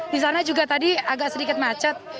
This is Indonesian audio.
di sana juga tadi agak sedikit macet